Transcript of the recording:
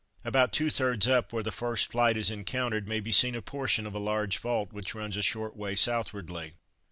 About two thirds up, where the first flight is encountered, may be seen a portion of a large vault which runs a short way southwardly.